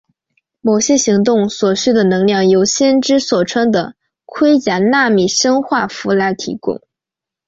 某些行动所需的能量由先知所穿的盔甲纳米生化服来提供。